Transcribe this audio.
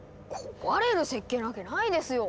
壊れる設計なわけないですよ！